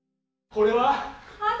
これは？